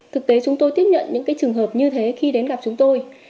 thực tế chúng tôi tiếp nhận những trường hợp như thế khi đến gặp chúng tôi